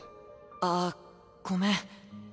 あっごめん。